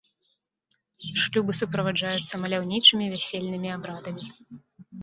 Шлюбы суправаджаюцца маляўнічымі вясельнымі абрадамі.